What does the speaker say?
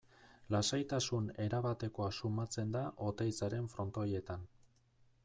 Lasaitasun erabatekoa sumatzen da Oteizaren Frontoietan.